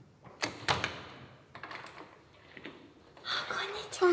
こんにちは。